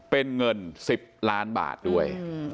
เป็นเงิน๑๐ล้านบาทด้วย